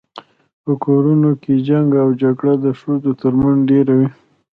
په کورونو کي جنګ او جګړه د ښځو تر منځ ډیره وي